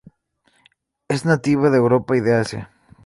Es nativa de Europa y de Asia.